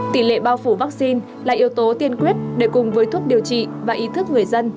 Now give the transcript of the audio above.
tỷ lệ bao phủ vaccine là yếu tố tiên quyết để cùng với thuốc điều trị và ý thức người dân